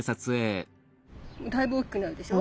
だいぶ大きくなるでしょ。